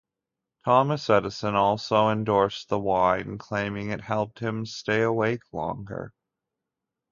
Thomas Edison also endorsed the wine, claiming it helped him stay awake longer.